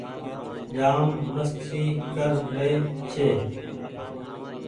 جآم مستي ڪر ري ڇي